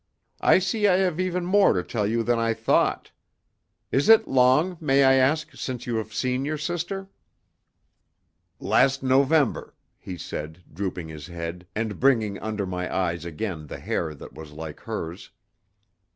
I see I have even more to tell you than I thought. Is it long, may I ask, since you have seen your sister?" "Last November," he said drooping his head, and bringing under my eyes again the hair that was like hers.